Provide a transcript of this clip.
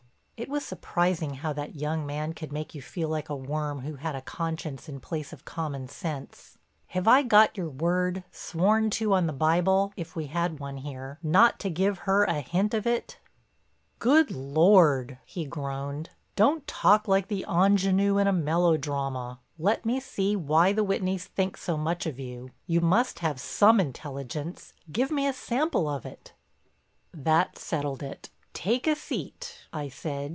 It was surprising how that young man could make you feel like a worm who had a conscience in place of common sense. "Have I got your word, sworn to on the Bible, if we had one here, not to give her a hint of it?" "Good Lord!" he groaned. "Don't talk like the ingénue in a melodrama. Let me see why the Whitneys think so much of you. You must have some intelligence—give me a sample of it." That settled it. "Take a seat," I said.